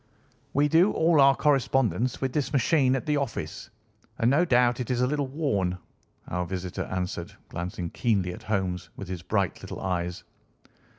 "We do all our correspondence with this machine at the office, and no doubt it is a little worn," our visitor answered, glancing keenly at Holmes with his bright little eyes.